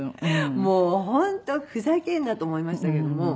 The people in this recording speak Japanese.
もう本当ふざけるなと思いましたけども。